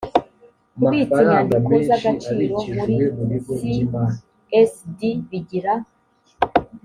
kubitsa inyandiko z agaciro muri csd bigira